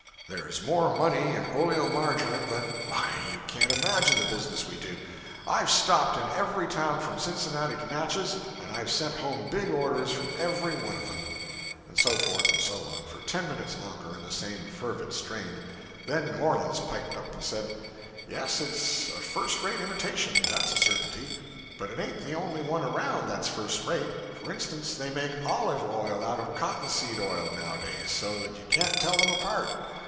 There's more money in oleomargarine than why, you can't imagine the business we do. I've stopped in every town from Cincinnati to Natchez; and I've sent home big orders from every one of them.' And so forth and so on, for ten minutes longer, in the same fervid strain. Then New Orleans piped up and said Yes, it's a first rate imitation, that's a certainty; but it ain't the only one around that's first rate. For instance, they make olive oil out of cotton seed oil, nowadays, so that you can't tell them apart.'